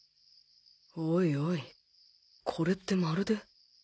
おいおいこれってまるで